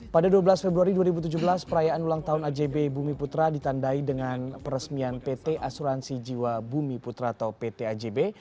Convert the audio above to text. pada dua belas februari dua ribu tujuh belas perayaan ulang tahun ajb bumi putra ditandai dengan peresmian pt asuransi jiwa bumi putra atau pt ajb